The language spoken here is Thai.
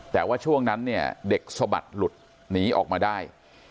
แต่ว่าช่วงนั้นเนี่ยเด็กสะบัดหลุดหนีออกมาได้